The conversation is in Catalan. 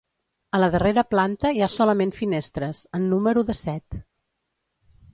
A la darrera planta hi ha solament finestres, en número de set.